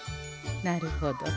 なるほど。